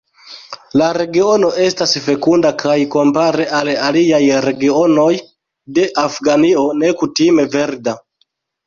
La regiono estas fekunda kaj kompare al aliaj regionoj de Afganio nekutime verda.